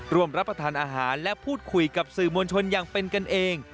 รับประทานอาหารและพูดคุยกับสื่อมวลชนอย่างเป็นกันเอง